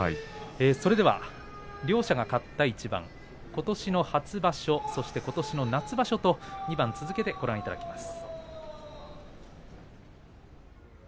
それでは両者が勝った一番ことしの初場所とことしの夏場所と２番続けてご覧いただきます。